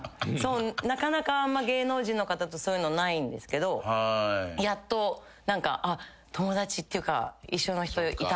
なかなかあんま芸能人の方とそういうのないんですけどやっと何か友達っていうか一緒の人いたなと思って。